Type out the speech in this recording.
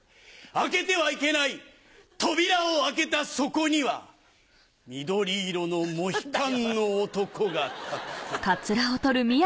開けてはいけない扉を開けたそこには緑色のモヒカンの男が立っていた。